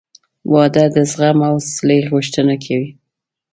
• واده د زغم او حوصلې غوښتنه کوي.